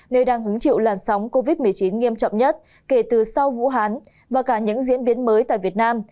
nơi đang hứng chịu làn sóng covid một mươi chín nghiêm trọng nhất kể từ sau vũ hán và cả những diễn biến mới tại việt nam